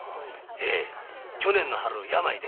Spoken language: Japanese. ヘイ去年の春病で。